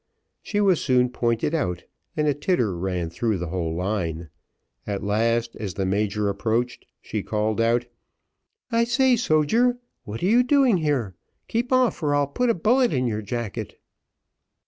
She was soon pointed out, and a titter ran through the whole line: at last, as the major approached, she called out, "I say, soger, what are you doing here? keep off, or I'll put a bullet in your jacket."